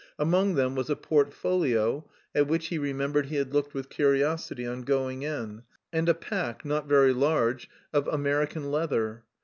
Among them was a portfolio, at which he remembered he had looked with curiosity on going in, and a pack, not very large, of American leather.